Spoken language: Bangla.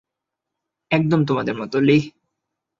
একদম তোমার মতো, লিহ।